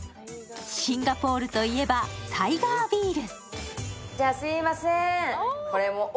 シンガポールといえば、タイガービール。